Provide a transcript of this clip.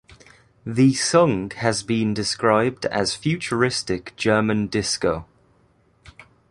The song has been described as futuristic German disco.